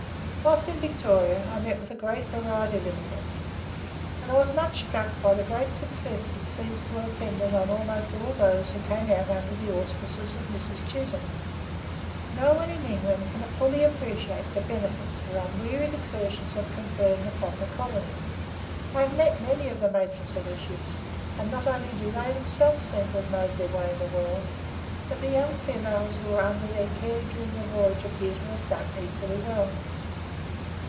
Whilst in Victoria, I met with a great variety of emigrants, and I was much struck by the great success that seems to have attended on almost all of those who came out under the auspices of Mrs. Chisholm. No one in England can fully appreciate the benefits her unwearied exertions have conferred upon the colonies. I have met many of the matrons of her ships, and not only do they themselves seem to have made their way in the world, but the young females who were under their care during the voyage appear to have done equally well.